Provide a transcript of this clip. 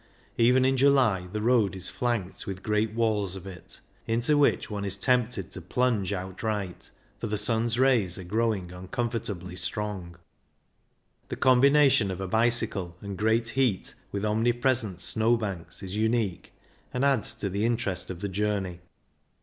Even in July the road is flanked with great walls of it, into which one is tempted to plunge outright, for the sun's rays are growing uncomfortably strong. THE STELVIO 33 The combination of a bicycle and great heat with omnipresent snowbanks is unique, and adds to the interest of the journey.